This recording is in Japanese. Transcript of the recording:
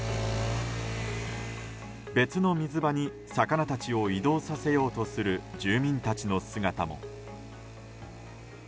別の水場に魚たちを移動させようとする住民たちの姿も。